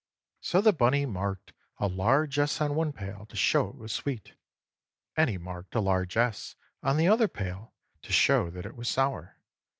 So the bunny marked a large S on one pail, to show it was sweet. And he marked a large S on the other pail to show that it was sour.